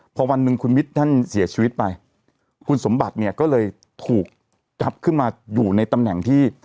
พอวันหนึ่งคุณมิตรท่านเสียชีวิตไปคุณสมบัติเนี่ยก็เลยถูกจับขึ้นมาอยู่ในตำแหน่งที่